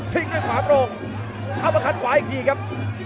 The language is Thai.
ทิ้งด้วยฝาปรกเข้ามาคัดขวาอีกทีครับ